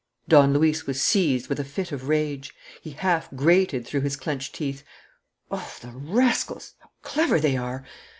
Don Luis was seized with a fit of rage. He half grated, through his clenched teeth: "Oh, the rascals! How clever they are!